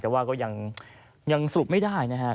แต่ว่าก็ยังสรุปไม่ได้นะครับ